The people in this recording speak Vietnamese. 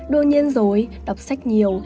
đương nhiên rồi đọc sách nhiều